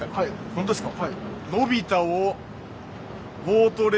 本当ですか？